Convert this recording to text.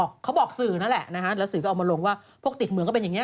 เขาบอกสื่อนั่นแหละนะฮะแล้วสื่อก็เอามาลงว่าพวกติดเมืองก็เป็นอย่างนี้